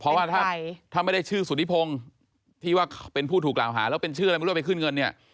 เพราะว่าถ้าไม่ได้ชื่อสุธิพงศ์ที่ว่าเป็นผู้ถูกกล่าวหาแล้วเป็นชื่ออะไรไม่รู้ไปขึ้นเงินเนี่ย